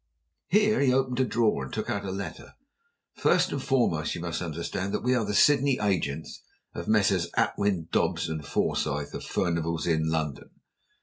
Here he opened a drawer and took out a letter. "First and foremost, you must understand that we are the Sydney agents of Messrs, Atwin, Dobbs & Forsyth, of Furnival's Inn, London.